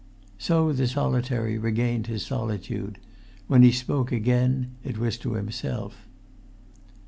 So the solitary regained his solitude; when he spoke again, it was to himself.